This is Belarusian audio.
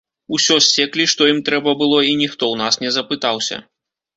Усё ссеклі, што ім трэба было, і ніхто ў нас не запытаўся.